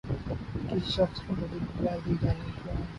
کسی شخص کو مجرم قراد دیے جانے کے بعد